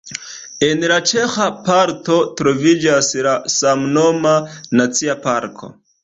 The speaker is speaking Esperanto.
En la ĉeĥa parto troviĝas samnoma nacia parko.